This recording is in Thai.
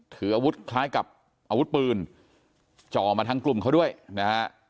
ถืออาวุธคล้ายกับอาวุธปืนจ่อมาทางกลุ่มเขาด้วยนะฮะ